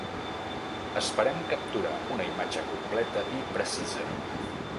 Esperem capturar una imatge completa i precisa.